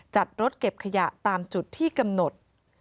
จัดรถเก็บขยะตามจุดที่กำหนด